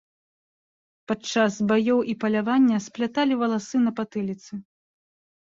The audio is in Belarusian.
Падчас баёў і палявання спляталі валасы на патыліцы.